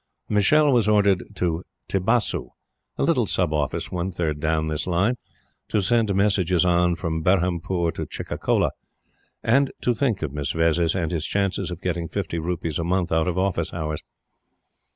Michele was ordered to Tibasu, a little Sub office one third down this line, to send messages on from Berhampur to Chicacola, and to think of Miss Vezzis and his chances of getting fifty rupees a month out of office hours.